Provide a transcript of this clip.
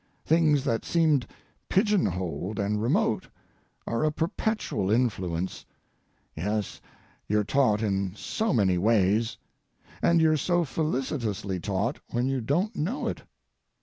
Things that seemed pigeon holed and remote are a perpetual influence. Yes, you're taught in so many ways. And you're so felicitously taught when you don't know it.